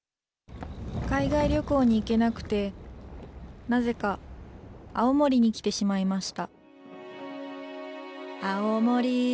海外旅行に行けなくて、なぜか、青森に来てしまいました。